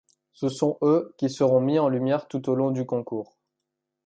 Ce sont eux qui seront mis en lumière tout au long du concours.